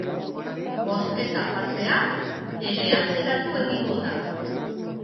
Bozketa-fasea ere atzeratu egingo da.